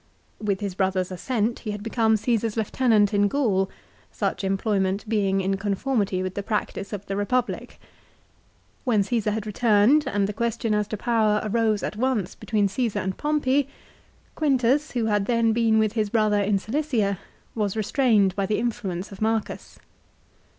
With his brother's assent he had become Caesar's lieutenant in Gaul, such employment being in conformity with the practice of the Republic. When Csesar had returned, and the question as to power arose at once between Csesar and Pompey, Quintus who had then been with his brother in Cilicia, was restrained by the influence of Marcus.